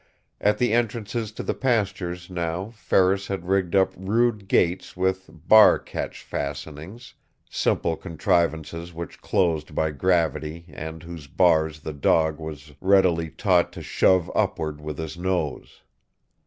At the entrances to the pastures, now, Ferris had rigged up rude gates with "bar catch" fastenings simple contrivances which closed by gravity and whose bars the dog was readily taught to shove upward with his nose.